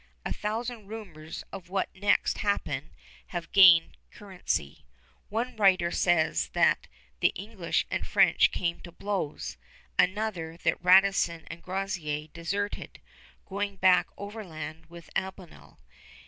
A thousand rumors of what next happened have gained currency. One writer says that the English and French came to blows; another, that Radisson and Groseillers deserted, going back overland with Albanel.